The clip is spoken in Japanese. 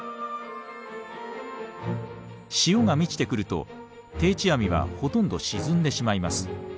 潮が満ちてくると定置網はほとんど沈んでしまいます。